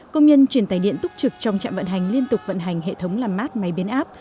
công nhân truyền tài điện túc trực trong trạm vận hành liên tục vận hành hệ thống làm mát máy biến áp